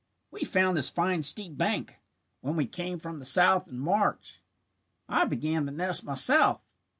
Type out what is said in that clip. "We found this fine steep bank when we came from the south in March. "I began the nest myself.